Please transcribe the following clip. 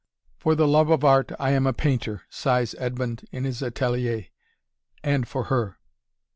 "For the love of art I am a painter," sighs Edmond, in his atelier "and for her!"